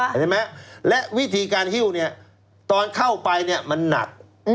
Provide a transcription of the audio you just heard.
เจอตัวและวิธีการฮิวตอนเข้าไปมันหนัด